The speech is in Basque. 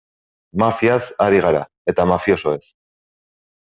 Mafiaz ari gara, eta mafiosoez.